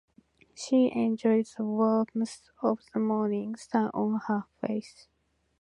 She enjoyed the warmth of the morning sun on her face.